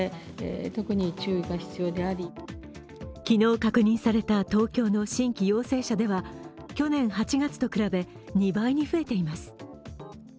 昨日確認された東京の新規陽性者では去年８月と比べ、２倍に増えています。